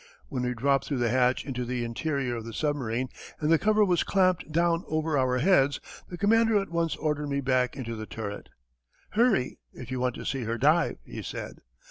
When we dropped through the hatch into the interior of the submarine and the cover was clamped down over our heads the commander at once ordered me back into the turret. "Hurry, if you want to see her dive," he said.